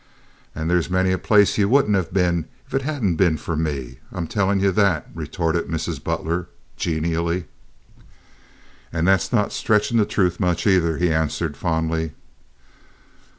"And there's many a place ye wouldn't have been if it hadn't been for me. I'm tellin' ye that," retorted Mrs. Butler, genially. "And that's not stretchin' the troot much, aither," he answered, fondly.